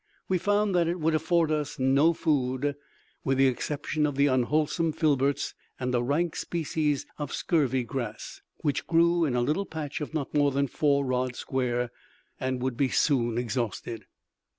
We found that it would afford us no food, with the exception of the unwholesome filberts, and a rank species of scurvy grass, which grew in a little patch of not more than four rods square, and would be soon exhausted.